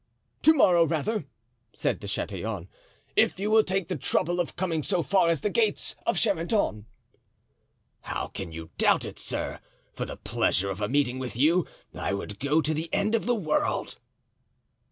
"To morrow, rather," said De Chatillon, "if you will take the trouble of coming so far as the gates of Charenton." "How can you doubt it, sir? For the pleasure of a meeting with you I would go to the end of the world."